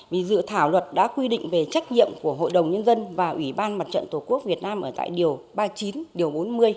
vì dự thảo luật đã quy định về trách nhiệm của hội đồng nhân dân và ủy ban mặt trận tổ quốc việt nam ở tại điều ba mươi chín điều bốn mươi